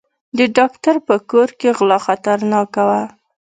د ډاکټر په کور کې غلا خطرناکه وه.